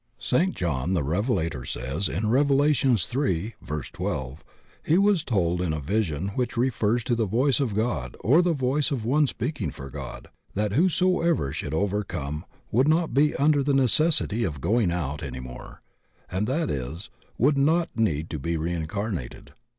St. John the Revelator says in Revs, iii, 12, he was told in a vision 64 THE OCEAN OF THEOSOPHY which refers to the voice of God or the voice of one speaking for God, that whosoever should overcome would not be under the necessity of "going out" any more, that is, would not need to be reincarnated.